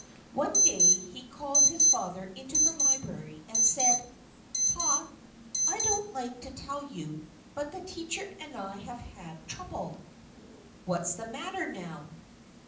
One day he called his father into the library and said: "Pa, I don't like to tell you, but the teacher and I have had trouble." "What's the matter now?"